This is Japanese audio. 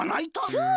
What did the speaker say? そう。